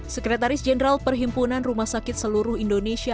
sekretaris jenderal perhimpunan rumah sakit seluruh indonesia